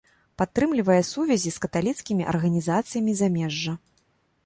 Падтрымлівае сувязі з каталіцкімі арганізацыямі замежжа.